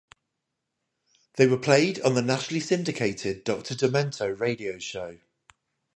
They were played on the nationally syndicated Doctor Demento radio show.